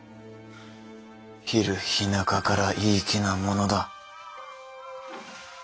昼日中からいい気なものだ。